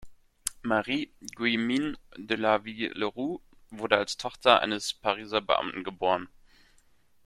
Marie-Guillemine de Laville-Leroux wurde als Tochter eines Pariser Beamten geboren.